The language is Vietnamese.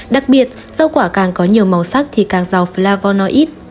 đặc biệt rau quả càng có nhiều màu sắc thì càng giàu flavonoid